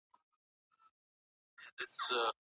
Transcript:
ایا لوی صادروونکي انځر پلوري؟